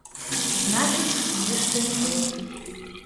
Значыць, нешта не тое.